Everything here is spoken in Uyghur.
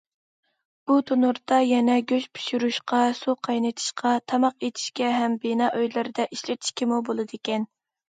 بۇ تونۇردا يەنە گۆش پىشۇرۇشقا، سۇ قاينىتىشقا، تاماق ئېتىشكە ھەم بىنا ئۆيلەردە ئىشلىتىشكىمۇ بولىدىكەن.